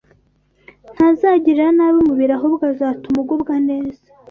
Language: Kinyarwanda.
ntazagirira nabi umubiri, ahubwo azatuma ugubwa neza.